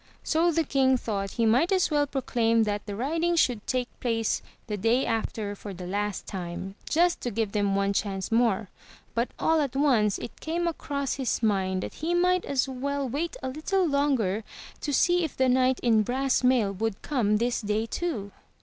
So the king thought he might as well proclaim that the riding should take place the day after for the last time, just to give them one chance more; but all at once it came across his mind that he might as well wait a little longer, to see if the knight in brass mail would come this day too.